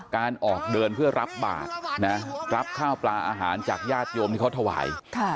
การออกเดินเพื่อรับบาทนะรับข้าวปลาอาหารจากญาติโยมที่เขาถวาย